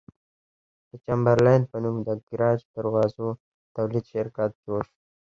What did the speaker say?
د چمبرلاین په نوم د ګراج دروازو د تولید شرکت جوړ شو.